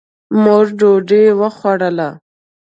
مونږ ډوډي وخوړله